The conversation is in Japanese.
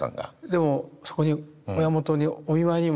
でもそこに親元にお見舞いにも。